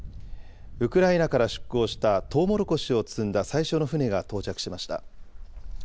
ウクライナから出港したトウモロコシを積んだ最初の船が到着しました。